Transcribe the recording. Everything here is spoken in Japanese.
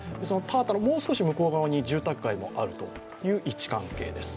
田畑のもう少し向こう側に住宅街もあるという位置関係です。